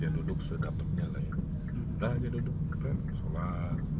ya duduk sudah dapetnya lain udah di duduk sholat